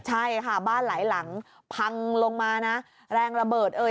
ใช่ค่ะบ้านหลายหลังพังลงมานะแรงระเบิดเอ่ย